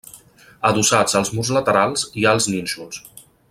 Adossats als murs laterals hi ha els nínxols.